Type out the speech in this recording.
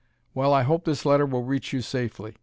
Well, I hope this letter will reach you safely.